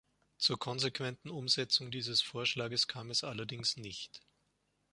Zur konsequenten Umsetzung dieses Vorschlages kam es allerdings nicht.